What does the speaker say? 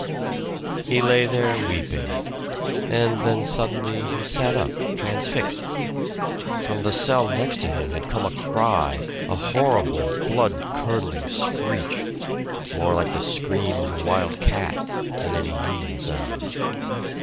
He lay there weeping, and then suddenly he sat up transfixed. From the cell next to him had come a cry, a horrible blood curdling screech, more like the scream of a wild cat than any human sound.